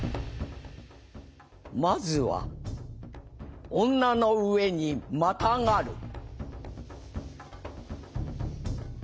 まずは女の上にまたがる。